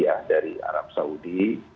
ya dari arab saudi